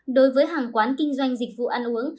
đối với hàng quán kinh doanh dịch vụ ăn uống